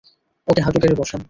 ওকে হাঁটুগেঁড়ে বসান।